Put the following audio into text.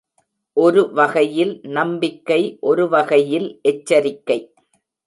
ஒருவகையில் நம்பிக்கை. ஒருவகையில் எச்சரிக்கை.